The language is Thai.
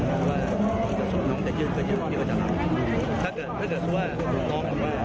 อ้าวก็ต้องไปดูทักต่อสำนักงาน